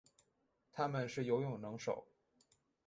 它们是游泳能手。